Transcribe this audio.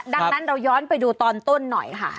ดังนั้นเราย้อนไปดูตอนต้นหน่อยค่ะ